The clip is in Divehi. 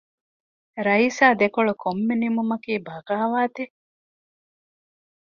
ރައީސާ ދެކޮޅު ކޮންމެ ނިންމުމަކީ ބަޣާވާތެއް؟